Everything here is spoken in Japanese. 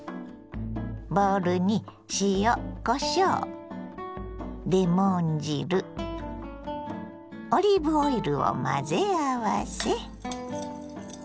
ボウルに塩こしょうレモン汁オリーブオイルを混ぜ合わせ。